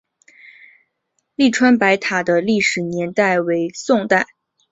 栗川白塔的历史年代为宋代。